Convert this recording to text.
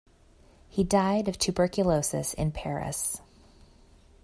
He died of tuberculosis in Paris.